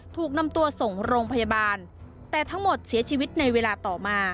ถูกนำตัวส่งโรงพยาบาลแต่ทั้งหมดเสียชีวิตในเวลาต่อมา